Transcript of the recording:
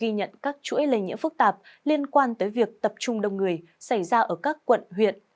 hà nội đã liên tục ghi nhận các chuỗi lây nhiễm phức tạp liên quan tới việc tập trung đông người xảy ra ở các quận huyện